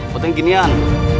buat yang ginian